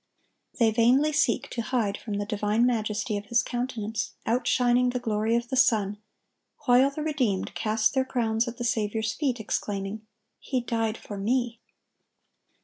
They vainly seek to hide from the divine majesty of His countenance, outshining the glory of the sun, while the redeemed cast their crowns at the Saviour's feet, exclaiming, "He died for me!"